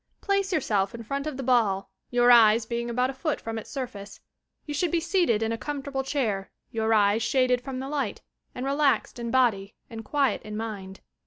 Place yourself in front of the ball, your eyes being about a foot from its surface. You should be seated in a comfortable chair, your eyes shaded from the light and relaxed in body and quiet in mind.